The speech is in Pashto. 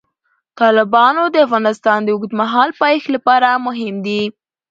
تالابونه د افغانستان د اوږدمهاله پایښت لپاره مهم دي.